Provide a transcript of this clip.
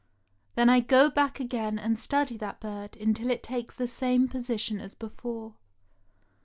Then I go back again and study that bird until it takes the same position as before.